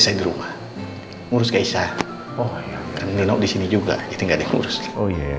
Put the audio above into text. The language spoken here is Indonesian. siapa mengurus gaisha oh patient disini juga rigori pun